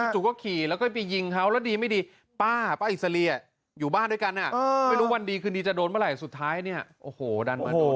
จู่ก็ขี่แล้วก็ไปยิงเขาแล้วดีไม่ดีป้าป้าอิสรีอยู่บ้านด้วยกันไม่รู้วันดีคืนดีจะโดนเมื่อไหร่สุดท้ายเนี่ยโอ้โหดันมาโดน